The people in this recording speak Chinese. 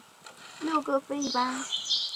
六各飞一班。